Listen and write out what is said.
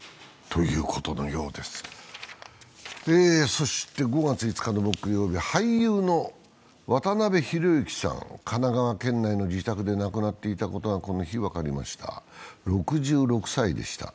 そして５月５日の木曜日、俳優の渡辺裕之さん、神奈川県内の自宅で亡くなっていたことが、この日、分かりました、６６歳でした。